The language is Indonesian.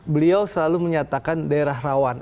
beliau selalu menyatakan daerah rawan